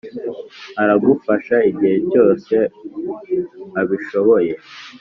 aragufasha igihe cyose abishoboye